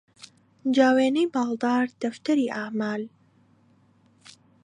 جا وێنەی باڵدار دەفتەری ئەعمال